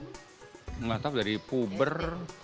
enggak tahu dari puber